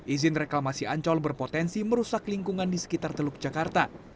izin reklamasi ancol berpotensi merusak lingkungan di sekitar teluk jakarta